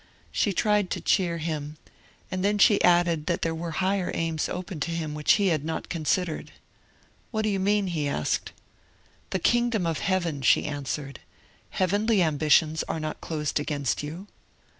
She tried to cheer him, and then she added that there were higher aims open to him which he had not considered. 'What do you mean?' he asked. 'The kingdom of Heaven,' she answered; 'heavenly ambitions are not closed against you.'